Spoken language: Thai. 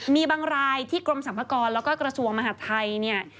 มีบางรายที่กรมสรรพากรแล้วก็กระทรวงมหาดไทยเนี่ย